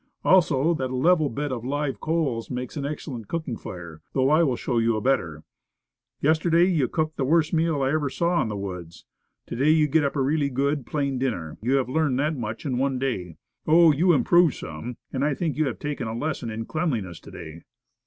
Also, that a level bed of live coals makes an excellent cooking fire, though I will show you a better. Yesterday you cooked the worst meal I ever saw in the woods. To day you get up a really good, plain dinner; you have learned that much in Their Lesson. 81 one day. Oh, you improve some. And I think you have taken a lesson in cleanliness to day."